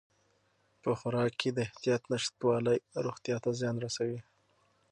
په خوراک کې د احتیاط نشتوالی روغتیا ته زیان رسوي.